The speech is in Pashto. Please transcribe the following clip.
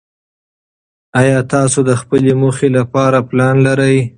ایا تاسو د خپلې موخې لپاره پلان لرئ؟